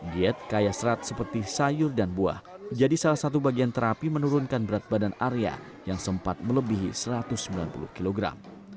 diet kaya serat seperti sayur dan buah jadi salah satu bagian terapi menurunkan berat badan arya yang sempat melebihi satu ratus sembilan puluh kilogram